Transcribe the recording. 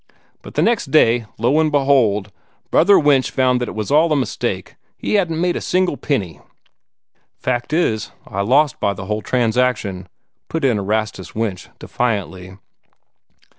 But the next day, lo, and behold, Brother Winch found that it was all a mistake he hadn't made a single penny." "Fact is, I lost by the whole transaction," put in Erastus Winch, defiantly.